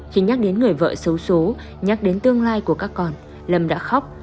khi nhắc đến người vợ xấu xố nhắc đến tương lai của các con lâm đã khóc